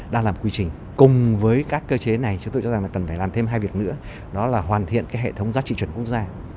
đang làm quy trình cùng với các cơ chế này chúng tôi cho rằng là cần phải làm thêm hai việc nữa đó là hoàn thiện cái hệ thống giá trị chuẩn quốc gia